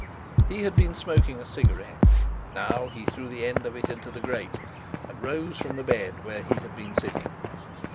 He had been smoking a cigarette; now he threw the end of it into the grate and rose from the bed where he had been sitting.